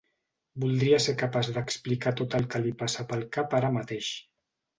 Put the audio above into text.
Voldria ser capaç d'explicar tot el que li passa pel cap ara mateix.